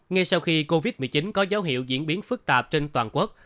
ngay sau khi covid một mươi chín có dấu hiệu diễn biến phức tạp trên toàn quốc